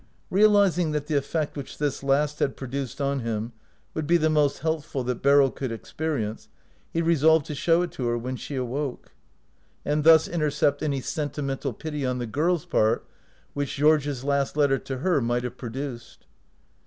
Realizing that the effect which this last had produced on him would be the most healthful that Beryl could experience, he resolved to show it to her when she awoke, 163 OUT OF BOHEMIA and thus intercept any sentimental pity on the girl's part which Georges' last letter to her might have produced.